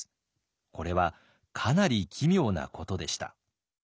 これはかなり奇妙なことでした。